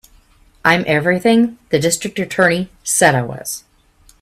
I'm everything the District Attorney said I was.